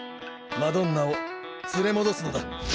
マドンナを連れ戻すのだ。